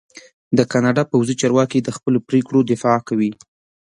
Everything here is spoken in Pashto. د کاناډا پوځي چارواکي د خپلو پرېکړو دفاع کوي.